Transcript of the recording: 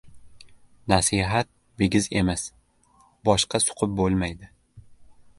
• Nasihat bigiz emas, boshqa suqib bo‘lmaydi.